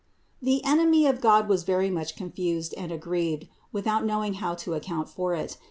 323. The enemy of God was very much confused and aggrieved, without knowing how to account for it.